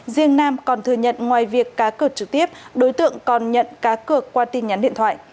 riêng nam còn thừa nhận ngoài việc cá cược trực tiếp đối tượng còn nhận cá cược qua tin nhắn điện thoại